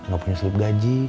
gak punya slip gaji